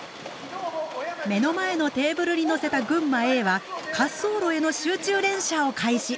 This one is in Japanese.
目の前のテーブルにのせた群馬Ａは滑走路への集中連射を開始。